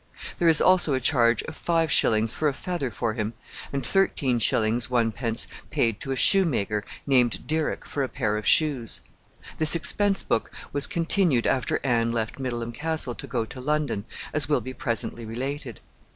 There is also a charge of 5_s._ for a feather for him, and 13_s._ 1_d._ paid to a shoemaker, named Dirick, for a pair of shoes. This expense book was continued after Anne left Middleham Castle to go to London, as will be presently related.